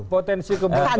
kalau potensi kebocoran